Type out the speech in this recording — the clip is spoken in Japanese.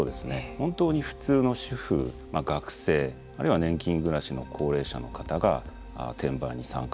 本当に普通の主婦学生あるいは年金暮らしの高齢者の方が転売に参加しているようです。